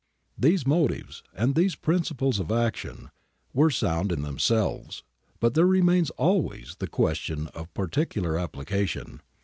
These motives, and these principles of action, were sound in themselves, but there remains always the question of particular application.